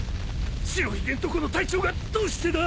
白ひげんとこの隊長がどうしてだ？